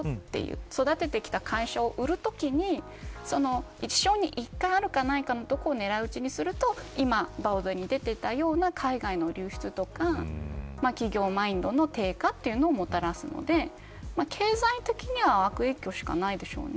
育ててきた会社を売るときに一生に一回あるかないかのところを狙い撃ちにすると今、ボードに出ていたような海外の流出とか企業マインドの低下をもたらすので経済的には悪影響しかないでしょうね。